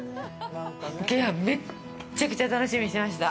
鶏飯めっちゃくちゃ楽しみにしてました。